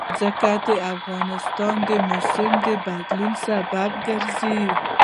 ځمکه د افغانستان د موسم د بدلون سبب کېږي.